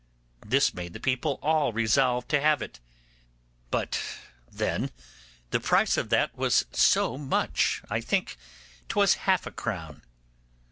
This made the people all resolve to have it; but then the price of that was so much, I think 'twas half a crown.